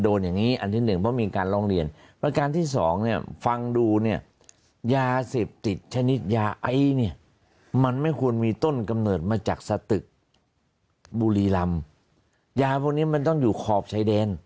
ฝั่งไหนด้วยใช่ไหมชายแดนฝั่งไหนด้วยใช่ไหมฮะ